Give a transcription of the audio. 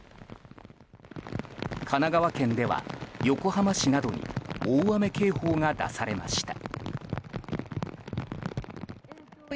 神奈川県では横浜市などに大雨警報が出されました。